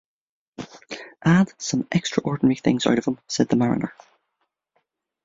"And some extra-ordinary things out of 'em," said the mariner.